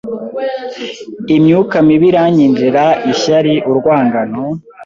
imyuka mibi iranyinjira, ishyari, urwangano